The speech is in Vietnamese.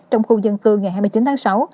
trong khu dân cư ngày hai mươi chín tháng sáu